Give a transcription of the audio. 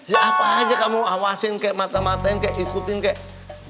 ya apa aja kamu awasin kayak mata matain kayak ikutin kayak